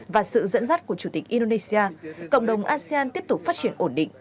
và sự dẫn dắt của chủ tịch indonesia cộng đồng asean tiếp tục phát triển ổn định